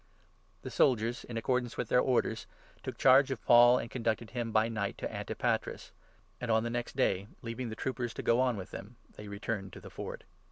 The soldiers, in accordance with their orders, took charge 31 of Paul and conducted him by night to Antipatris ; and on the 32 next day, leaving the troopers to go on with him, they returned to the Fort.